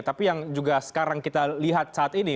tapi yang juga sekarang kita lihat saat ini